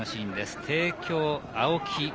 帝京の青木。